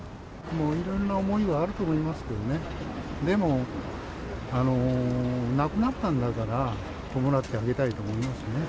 もういろんな思いはあると思いますけどね、でも、亡くなったんだから、弔ってあげたいと思いますね。